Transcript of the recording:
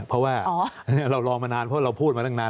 เพราะว่าเรารอมานานเพราะเราพูดมาตั้งนาน